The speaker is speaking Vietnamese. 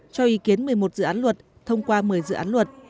cho ý kiến một mươi một dự án luật thông qua một mươi dự án luật